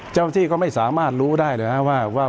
เจ้าที่ก็ไม่สามารถรู้ได้เลยนะครับ